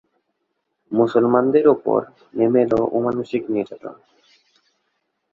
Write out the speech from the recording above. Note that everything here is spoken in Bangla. মুসলমানদের উপর নেমে এল অমানুষিক নির্যাতন।